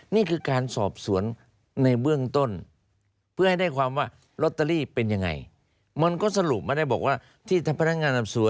นี่คือการสอบสวนในเบื้องต้น